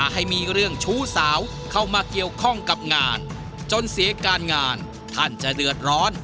ให้มีเรื่องชู้สาวเข้ามาเกี่ยวข้องกับงานจนเสียการงานท่านจะเดือดร้อน